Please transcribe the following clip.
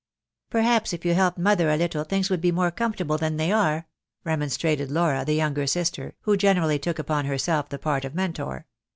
"Perhaps, if you helped mother a little things would be more comfortable than they are," remonstrated Laura, the younger sister, who generally took upon herself the part of Mentor.